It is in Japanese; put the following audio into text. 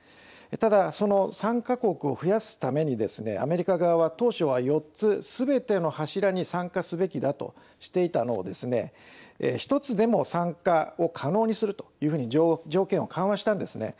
ただ、その参加国を増やすためにですねアメリカ側は当初は４つすべての柱に参加すべきだとしていたのをですね１つでも参加を可能にするというふうに条件を緩和したんですね。